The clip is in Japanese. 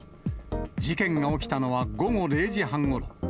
事件が起きたのは午後０時半ごろ。